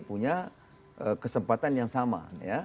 punya kesempatan yang sama